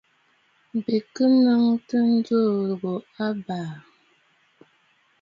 Bɨ kɨ̀ nɨ̌ŋ ǹjò ghu abàà.